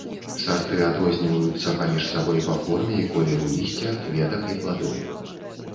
Сарты адрозніваюцца паміж сабой па форме і колеру лісця, кветак і пладоў.